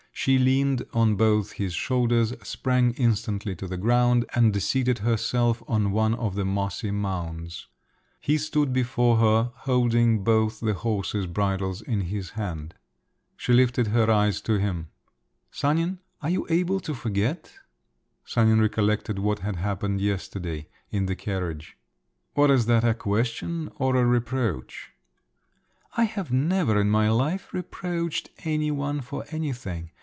She leaned on both his shoulders, sprang instantly to the ground, and seated herself on one of the mossy mounds. He stood before her, holding both the horses' bridles in his hand. She lifted her eyes to him…. "Sanin, are you able to forget?" Sanin recollected what had happened yesterday … in the carriage. "What is that—a question … or a reproach?" "I have never in my life reproached any one for anything.